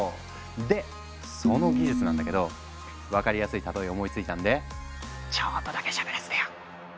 でその技術なんだけど分かりやすい例え思いついたんでちょっとだけしゃべらせてよ。